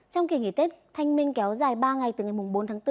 trong kỳ nghỉ tết thanh minh kéo dài ba ngày từ ngày bốn tháng bốn